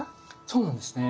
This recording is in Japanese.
そうなんですね。